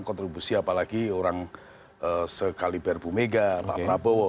kontribusi apalagi orang sekali berbumega pak prabowo